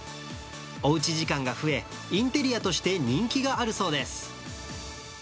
おうち時間が増え、インテリアとして人気があるそうです。